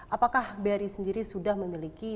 apakah bri sendiri sudah memiliki